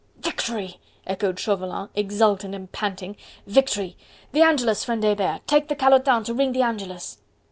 "Victory!" echoed Chauvelin, exultant and panting, "victory!! The Angelus, friend Hebert! Take the calotin to ring the Angelus!!!"